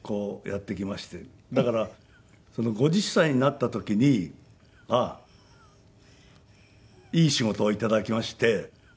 だから５０歳になった時にいい仕事を頂きまして。